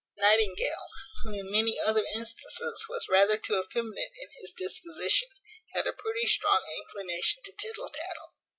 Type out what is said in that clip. Nightingale, who, in many other instances, was rather too effeminate in his disposition, had a pretty strong inclination to tittle tattle.